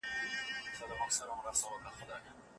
که سوله ونه سي شخړې به دوام وکړي.